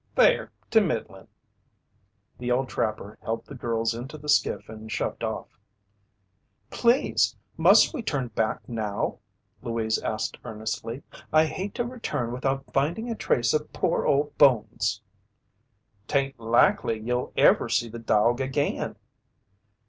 "Fair to middlin'." The old trapper helped the girls into the skiff and shoved off. "Please, must we turn back now?" Louise asked earnestly. "I hate to return without finding a trace of poor old Bones." "'Tain't likely you'll ever see the dog again."